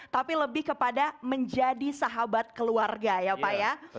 tapi lebih kepada menjadi sahabat keluarga ya pak ya